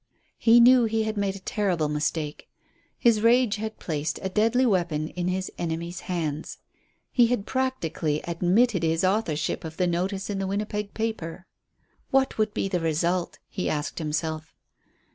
He knew he had made a terrible mistake. His rage had placed a deadly weapon in his enemy's hands. He had practically admitted his authorship of the notice in the Winnipeg paper. What would be the result? he asked himself.